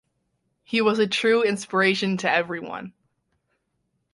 He was a true inspiration to everyone.